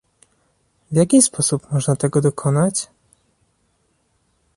W jaki sposób można tego dokonać?